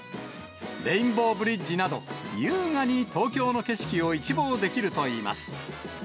レインボーブリッジなど、優雅に東京の景色を一望できるといいます。